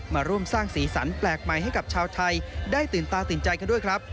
มาร่วมสร้างสีสันแปลกใหม่ให้กับชาวไทยได้ตื่นตาตื่นใจกันด้วยครับ